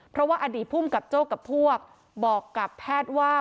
เพราะว่าอดีตภูมิกับโจ้กับพวกบอกกับแพทย์ว่า